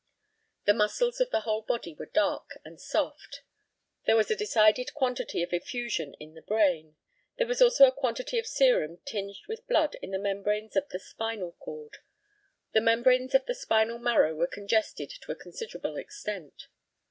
The muscles of the whole body were dark and soft. There was a decided quantity of effusion in the brain. There was also a quantity of serum tinged with blood in the membranes of the spinal cord. The membranes of the spinal marrow were congested to a considerable extent.